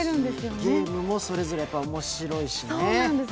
ゲームもそれぞれ面白いしね。